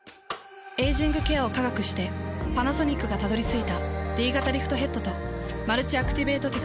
エイジングケアを科学してパナソニックがたどり着いたＤ型リフトヘッドとマルチアクティベートテクノロジー。